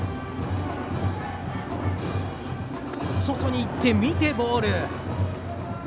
外にいって、見てボール。